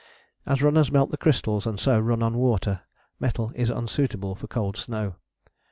As runners melt the crystals and so run on water, metal is unsuitable for cold snow.